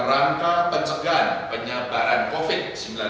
penyelenggaraan penyebaran covid sembilan belas